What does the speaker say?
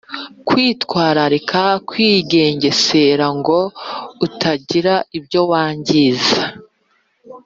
Kwitwararika kwigengesera ngo utagira ibyo wangiza